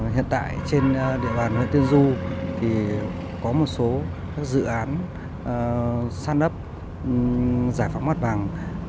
hiện tại trên địa bàn huyện tiên du thì có một số các dự án san lấp giải phóng mặt bằng